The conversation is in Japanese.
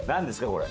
これ。